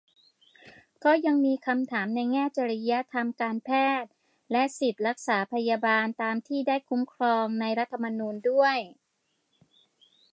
ก็ยังมีคำถามในแง่จริยธรรมการแพทย์ และสิทธิรักษาพยาบาลตามที่ได้คุ้มครองในรัฐธรรมนูญด้วย